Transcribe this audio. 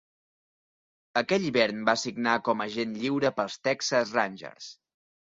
Aquell hivern va signar com agent lliure pels Texas Rangers.